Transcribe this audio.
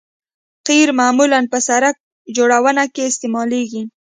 قیر معمولاً په سرک جوړونه کې استعمالیږي